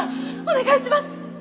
お願いします！